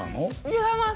違います！